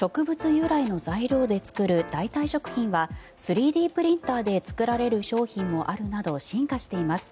由来の材料で作る代替食品は３Ｄプリンターで作られる商品もあるなど進化しています。